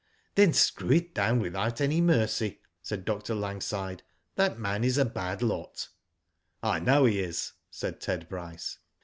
"Then screw it down without any mercy," said Dr. Langside. "Tl^at man is a bad lot." I know he is," said Ted Bryce.